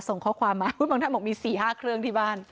ส่งข้อความมาบางท่านบอกมี๔๕เครื่องที่บ้าน